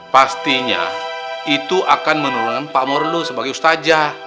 pastinya itu akan menurunkan pamor lu sebagai ustazah